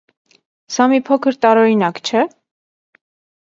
Սա մի փոքր տարօրինակ չէ՞: